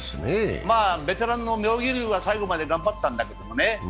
ベテランの妙義龍は最後まで頑張ったんだけどね。